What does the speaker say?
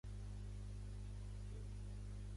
Les satrapies eren subdivisions administratives.